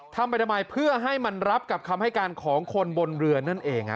ทำไปทำไมเพื่อให้มันรับกับคำให้การของคนบนเรือนั่นเอง